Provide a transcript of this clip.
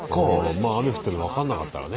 まあ雨降ってるの分かんなかったらね